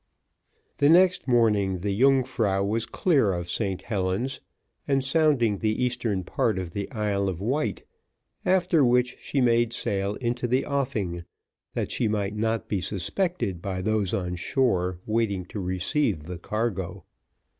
The next morning the Yungfrau was clear of St Helens, and sounding the eastern part of the Isle of Wight, after which she made sail into the offing, that she might not be suspected by those on shore waiting to receive the cargo.